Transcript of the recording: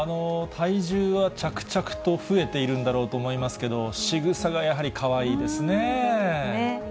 体重は着々と増えているんだろうと思いますけど、しぐさがやはりかわいいですね。